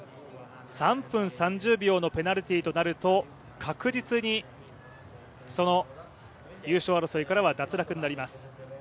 ３分３０秒のペナルティーとなると確実に優勝争いからは脱落になります。